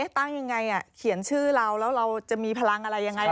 ตั้งยังไงเขียนชื่อเราแล้วเราจะมีพลังอะไรยังไง